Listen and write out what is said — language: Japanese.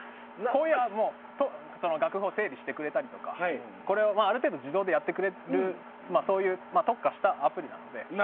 これは楽譜を整理してくれたりとかある程度、これは自動化してやってくれるそういう特化したアプリなので。